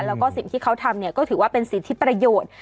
แล้วก็สิ่งที่เขาทำก็ถือว่าเป็นสิทธิประโยชน์